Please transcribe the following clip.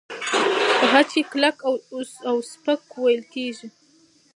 په خج کې کلک او سپک وېل کېږي.